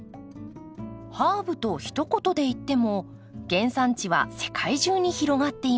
ハーブとひと言で言っても原産地は世界中に広がっています。